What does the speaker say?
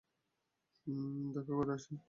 দেখা করে আসি।